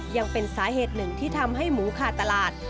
ยังเป็นสาเหตุหนึ่งที่ทำให้หมูขาดตลาด